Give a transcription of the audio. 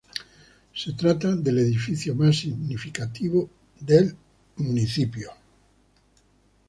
Se trata del edificio más significativo del municipio.